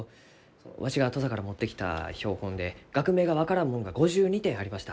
わしが土佐から持ってきた標本で学名が分からんもんが５２点ありました。